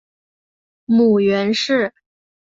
母袁氏。